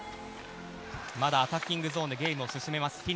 まだアタッキングゾーンでゲームを進めます。